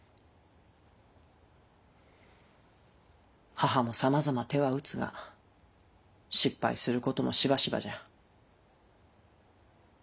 母もさまざま手は打つが失敗することもしばしばじゃ。